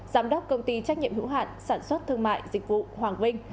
giám đốc công ty trách nhiệm hữu hạn sản xuất thương mại dịch vụ hoàng vinh